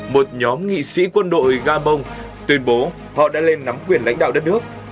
một nhóm nghị sĩ quân đội gabon tuyên bố họ đã lên nắm quyền lãnh đạo đất nước